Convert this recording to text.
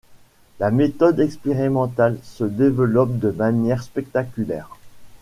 La méthode expérimentale se développe de manière spectaculaire.